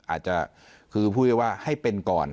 อาจจะคือพูดง่ายว่าให้เป็นก่อน